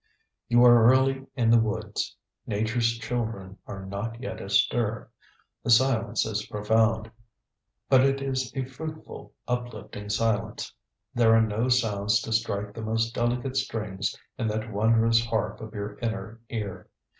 You are early in the woods. Nature's children are not yet astir. The silence is profound; but it is a fruitful, uplifting silence. There are no sounds to strike the most delicate strings in that wondrous harp of your inner ear.